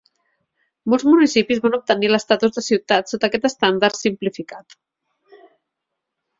Molts municipis van obtenir l"estatus de ciutat sota aquest estàndard simplificat.